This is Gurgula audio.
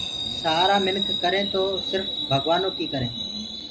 سآرآ منک ڪر تو سِرڦ ڀگوآنو ڪي ڪري۔